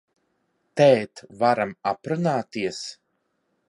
Tēt, varam aprunāties?